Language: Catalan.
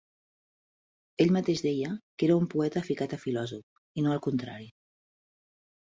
Ell mateix deia que era un poeta ficat a filòsof, i no al contrari.